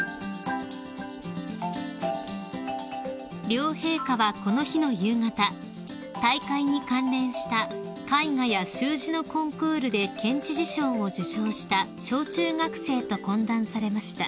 ［両陛下はこの日の夕方大会に関連した絵画や習字のコンクールで県知事賞を受賞した小中学生と懇談されました］